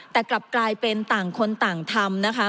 แต่กลับกลายเป็นต่างคนต่างทำนะคะ